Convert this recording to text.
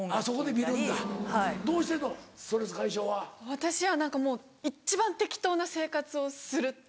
私は何かもう一番適当な生活をするっていう。